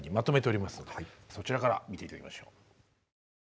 そちらから見て頂きましょう。